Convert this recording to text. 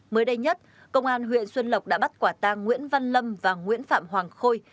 mới đây nhất công an huyện xuân lộc đã bắt quả tang nguyễn văn lâm và nguyễn phạm hoàng khôi